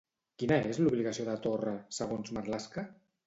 Quina és l'obligació de Torra, segons Marlaska?